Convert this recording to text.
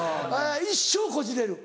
一生こじれる。